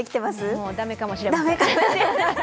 もう駄目かもしれません。